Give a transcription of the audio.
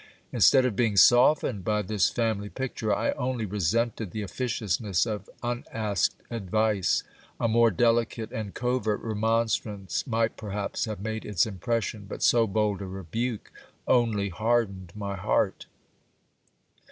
Instead of being softened by this family picture, I only resented the ofhciousness of unasked advice. A more delicate and covert remonstrance might perhaps have made its impression, but so bold a rebuke only hardened my heart.